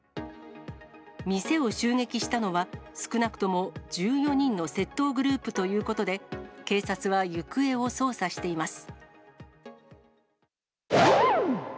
店を襲撃したのは、少なくとも１４人の窃盗グループということで、警察は行方を捜査しています。